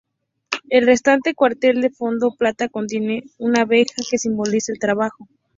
El restante cuartel, de fondo plata, contiene una abeja, que simboliza el trabajo.